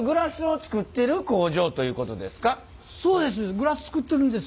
そうです。